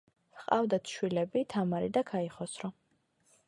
ჰყავდათ შვილები თამარი და ქაიხოსრო.